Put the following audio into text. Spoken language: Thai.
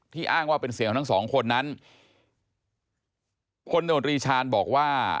อ้างว่าเป็นเสียงของทั้งสองคนนั้นพลโนตรีชาญบอกว่า